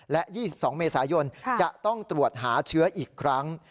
และ๒๒เมษายนจะต้องตรวจหาเชื้ออีกครั้ง